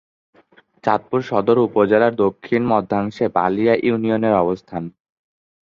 চাঁদপুর সদর উপজেলার দক্ষিণ-মধ্যাংশে বালিয়া ইউনিয়নের অবস্থান।